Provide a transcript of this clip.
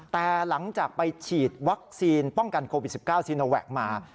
แต่หลังจากไปฉีดวัคซีนป้องกันโควิด๑๙ซีโนแวคมา